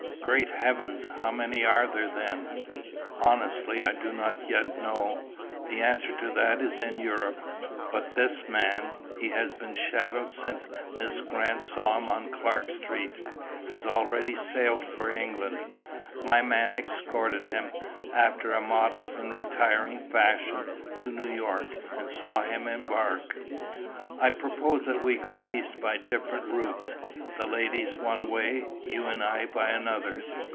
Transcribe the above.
"Great heavens! How many are there, then?" "Honestly, I do not yet know. The answer to that is in Europe. But this man he has been shadowed since Miss Grant saw him on Clark Street has already sailed for England. My man escorted him, after a modest and retiring fashion, to New York, and saw him embark. I propose that we go east by different routes. The ladies one way, you and I by another.